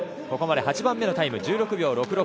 ここまで８番目のタイム１６秒６６。